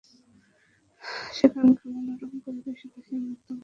সেখানকার মনোরম পরিবেশ দেখে মুগ্ধ বাবা ভর্তি করে দেন ছোট্ট শিরীনকে।